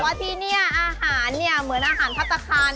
บอกว่าที่นี่เนี่ยอาหารนี่เหมือนอาหารพัดตะคาน